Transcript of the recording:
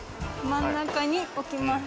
真ん中に置きます。